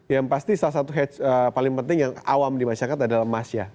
yang pasti salah satu hetch paling penting yang awam di masyarakat adalah emas ya